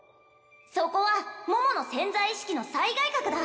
そこは桃の潜在意識の最外郭だ